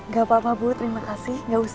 gak apa apa bu terima kasih